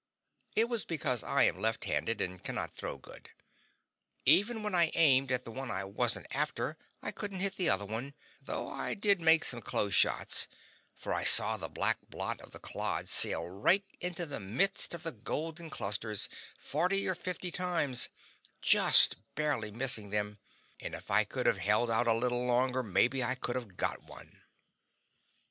It was because I am left handed and cannot throw good. Even when I aimed at the one I wasn't after I couldn't hit the other one, though I did make some close shots, for I saw the black blot of the clod sail right into the midst of the golden clusters forty or fifty times, just barely missing them, and if I could have held out a little longer maybe I could have got one.